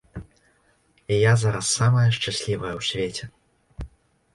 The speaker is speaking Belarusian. І я зараз самая шчаслівая ў свеце!